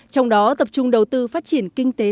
trong đó tập trung đầu tư phát triển kinh tế